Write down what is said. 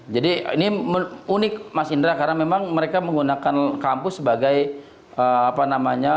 jadi ini unik mas indra karena memang mereka menggunakan kampus sebagai apa namanya